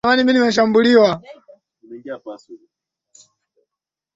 ni Milima ya Altai Mashariki mwa nchi zao waliishi